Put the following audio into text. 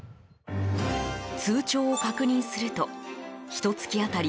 通帳を確認するとひと月当たり